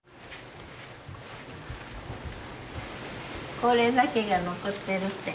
これだけが残ってるって。